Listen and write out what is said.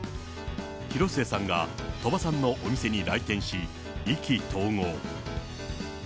広末さんが鳥羽さんのお店に来店し、意気投合。